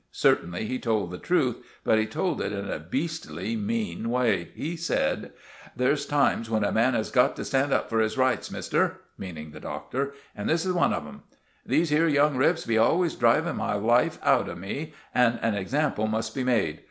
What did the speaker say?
Certainly he told the truth, but he told it in a beastly mean way. He said— "There's times when a man has got to stand up for his rights, mister"—meaning the Doctor—"and this is one of 'em. These here young rips be always driving my life out of me, and an example must be made.